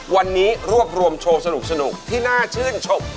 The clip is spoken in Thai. วันนี้รวบรวมโชว์สนุกที่น่าชื่นชม